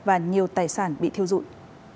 và nhiều tài sản bị thiêu dụng